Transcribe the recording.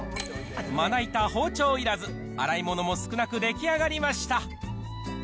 まな板、包丁いらず、洗い物も少なく出来上がりました。